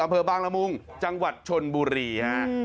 อำเภอบางละมุงจังหวัดชนบุรีฮะ